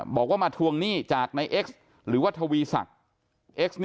บอกว่ามาทวงหนี้จากในไอซ์หรือว่าเทรียมศักดิ์